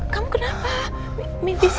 kamu kenapa mimpi sena